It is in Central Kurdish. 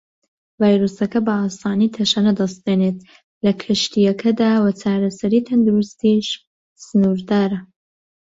ڤایرۆسەکە بە ئاسانی تەشەنە دەستێنێت لە کەشتییەکەدا وە چارەسەری تەندروستیش سنوردارە.